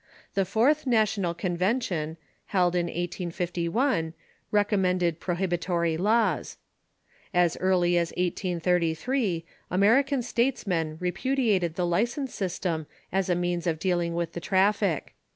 The fourth National Convention, held in 1851, recommended pro hibitory laws. As early as 1833, American statesmen repudi ated the license system as a means of dealing with the traffic.